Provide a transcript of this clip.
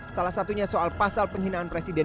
salah satunya soal pasal penghinaan presiden